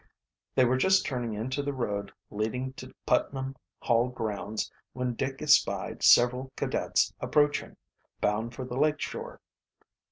They were just turning into the road leading to Putnam Hall grounds when Dick espied several cadets approaching, bound for the lake shore.